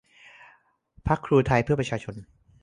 พรรคครูไทยเพื่อประชาชน